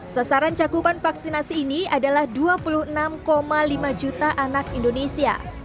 sasaran cakupan vaksinasi ini adalah dua puluh enam lima juta anak indonesia